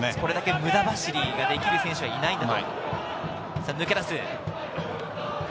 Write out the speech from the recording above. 無駄走りがそれだけできる選手はいないんだと。